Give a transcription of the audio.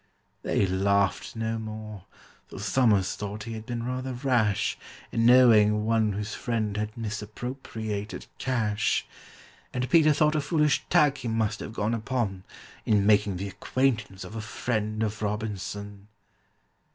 They laughed no more, for SOMERS thought he had been rather rash In knowing one whose friend had misappropriated cash; And PETER thought a foolish tack he must have gone upon In making the acquaintance of a friend of ROBINSON.